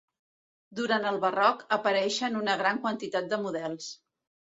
Durant el barroc apareixen una gran quantitat de models.